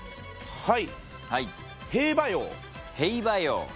はい。